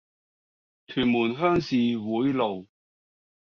屯門鄉事會路